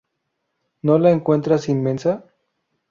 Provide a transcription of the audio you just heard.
No la encuentras inmensa?